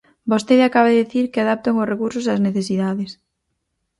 Vostede acaba de dicir que adaptan os recursos ás necesidades.